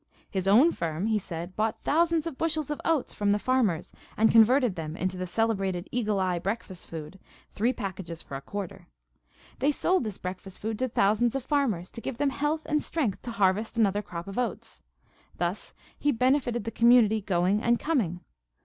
His own firm, he said, bought thousands of bushels of oats from the farmers and converted them into the celebrated Eagle Eye Breakfast Food, three packages for a quarter. They sold this breakfast food to thousands of farmers, to give them health and strength to harvest another crop of oats. Thus he "benefited the community going and coming."